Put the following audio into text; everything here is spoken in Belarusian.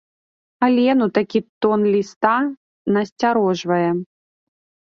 Алену такі тон ліста насцярожвае.